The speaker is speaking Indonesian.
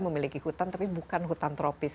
memiliki hutan tapi bukan hutan tropis